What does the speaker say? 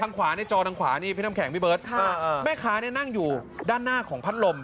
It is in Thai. ขวาในจอทางขวานี่พี่น้ำแข็งพี่เบิร์ตค่ะแม่ค้าเนี่ยนั่งอยู่ด้านหน้าของพัดลม